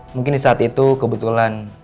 mungkin di saat itu kebetulan